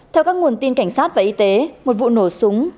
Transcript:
theo các nguồn tin cảnh sát và y tế một vụ nổ súng